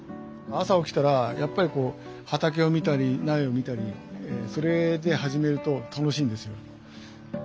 朝起きたらやっぱりこう畑を見たり苗を見たりそれで始めると楽しいんですよね。